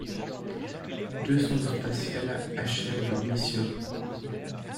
Deux sondes spatiales achèvent leur mission.